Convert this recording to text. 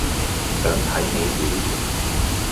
想睇你表演